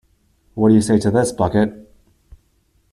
What do you say to this, Bucket?